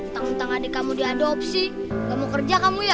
tentang adik kamu diadopsi gak mau kerja kamu ya